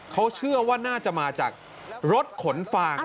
เขาเชื่อว่าน่าจะมาจากรถขนฟาง